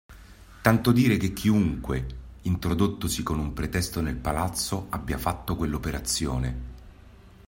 Tanto dire che chiunque, introdottosi con un pretesto nel palazzo, abbia fatto quell'operazione.